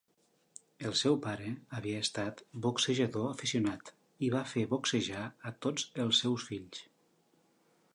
El seu pare havia estat boxejador aficionat i va fer boxejar a tots els seus fills.